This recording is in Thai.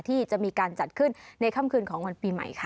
ที่จะมีการจัดขึ้นในค่ำคืนของวันปีใหม่ค่ะ